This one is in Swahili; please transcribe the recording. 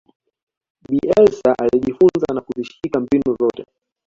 bielsa alijifunza na kuzishika mbinu zote